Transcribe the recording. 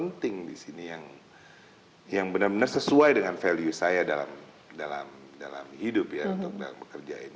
yang penting di sini yang benar benar sesuai dengan value saya dalam hidup ya untuk dalam bekerja ini